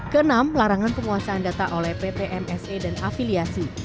keenam larangan penguasaan data oleh ppmse dan afiliasi